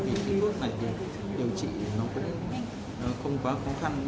vì cái thuốc này thì điều trị nó cũng không quá khó khăn